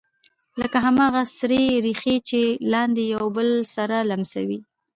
لکه هماغه سرې ریښې چې لاندې یو بل سره لمسوي